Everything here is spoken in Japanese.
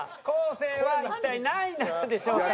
生は一体何位なんでしょうか？